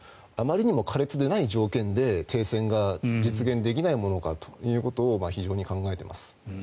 あまりにも苛烈でない条件で停戦が実現できないものかということを非常に考えています。